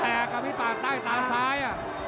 แต่กับพี่ปากใต้ตายซ้าย